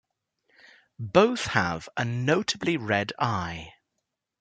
Both have a notably red eye.